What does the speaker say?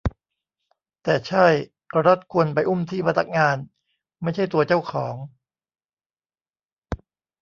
แต่ใช่ รัฐควรไปอุ้มที่พนักงาน ไม่ใช่ตัวเจ้าของ